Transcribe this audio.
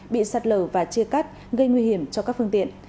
bị sạt lở và chia cắt gây nguy hiểm cho các phương tiện